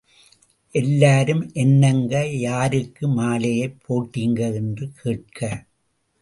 எல்லாரும், என்னங்க யாருக்கு மாலையைப் போட்டிங்க என்று கேட்க.